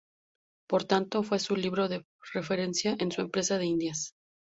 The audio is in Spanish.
Por tanto, fue su libro de referencia en su Empresa de Indias.